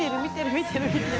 見てるね。